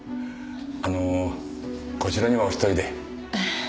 あのこちらにはお一人で？